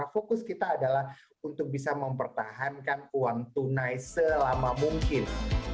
fokus kita adalah untuk bisa mempertahankan uang tunai selama mungkin